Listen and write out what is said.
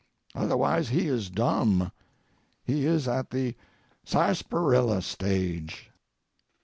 Otherwise he is dumb—he is at the sarsaparilla stage.